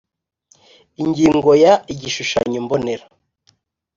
Ingingo Ya Igishushanyo Mbonera